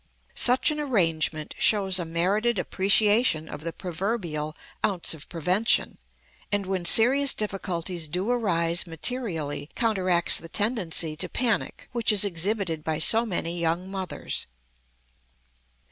Such an arrangement shows a merited appreciation of the proverbial "ounce of prevention," and when serious difficulties do arise materially counteracts the tendency to panic which is exhibited by so many young mothers.